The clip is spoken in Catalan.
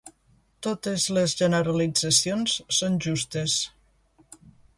Totes les generalitzacions són justes.